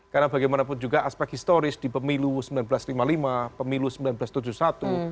karena bagaimanapun juga aspek historis di pemilu seribu sembilan ratus lima puluh lima pemilu seribu sembilan ratus tujuh puluh satu